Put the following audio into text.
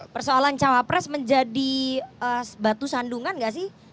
persoalan cawapres menjadi batu sandungan gak sih